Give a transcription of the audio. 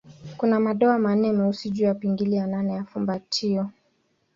Kuna madoa manne meusi juu ya pingili ya nane ya fumbatio.